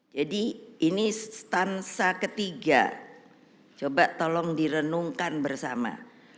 jadi ini stansa ketiga coba tolong direnungkan bersama